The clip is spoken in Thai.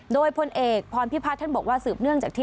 โดยพลเอกพรพิพัฒน์ท่านบอกว่าสืบเนื่องจากที่